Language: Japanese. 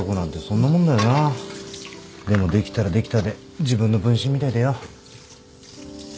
でもできたらできたで自分の分身みたいでよ。